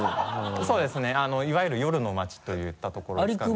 そうですねいわゆる夜の街といったところですかね。